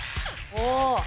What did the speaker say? お！